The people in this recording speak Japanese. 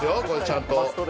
ちゃんと。